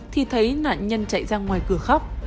thì thấy nạn nhân chạy ra ngoài cửa khóc